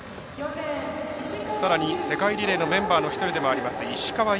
さらに世界リレーのメンバーの一人でもある石川優。